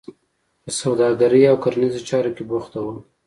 په سوداګرۍ او کرنیزو چارو کې بوخته وه.